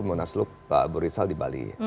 munaslup pak abu rizal di bali